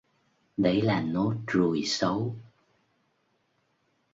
đấy là nốt ruồi xấu